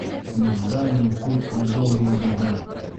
В дальний путь, на долгие года...